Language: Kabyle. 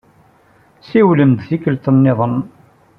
Siwlem-d tikkelt-nniḍen.